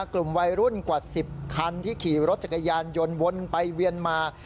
กลุ่มวัยรุ่นกว่า๑๐คันที่ขี่รถจักรยานยนต์วนไปเวียนมา